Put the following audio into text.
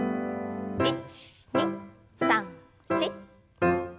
１２３４。